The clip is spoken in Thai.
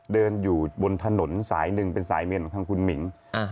เดินอยู่บนถนนสายหนึ่งเป็นสายเมียนของทางคุณหมิง